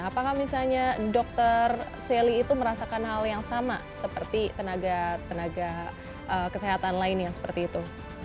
apakah misalnya dokter sally itu merasakan hal yang sama seperti tenaga kesehatan lainnya seperti itu